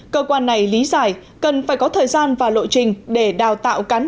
cơ quan này lý giải cần phải có thời gian và lộ trình để đào tạo cán bộ